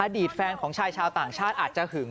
ตแฟนของชายชาวต่างชาติอาจจะหึง